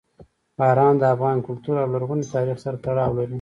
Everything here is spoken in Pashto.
باران د افغان کلتور او لرغوني تاریخ سره تړاو لري.